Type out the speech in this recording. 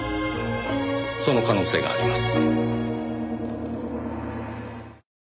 その可能性があります。